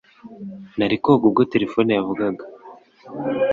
Nari koga ubwo terefone yavugaga